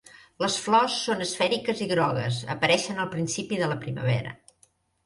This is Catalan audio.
Les flors són esfèriques i grogues, apareixen al principi de la primavera.